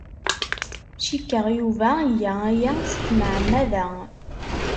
Cikkeɣ Yuba iga aya s tmeɛmada.